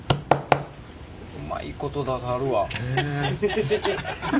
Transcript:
うまいこと出さはるわ。